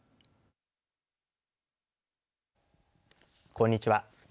こんにちは。